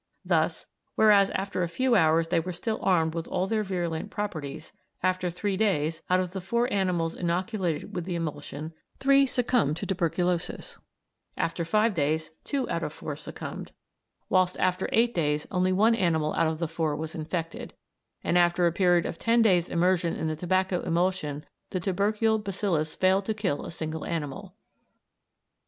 Thus whereas after a few hours they were still armed with all their virulent properties, after three days, out of the four animals inoculated with the emulsion three succumbed to tuberculosis, after five days two out of four succumbed, whilst after eight days only one animal out of the four was infected, and after a period of ten days' immersion in the tobacco emulsion the tubercle bacillus failed to kill a single animal.